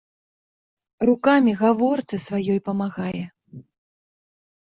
Рукамі гаворцы сваёй памагае.